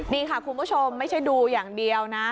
นี่ค่ะคุณผู้ชมไม่ใช่ดูอย่างเดียวนะ